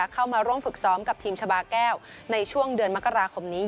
เข้ามาร่วมฝึกซ้อมกับทีมชาบาแก้วในช่วงเดือนมกราคมอย่างต่อเนื่อง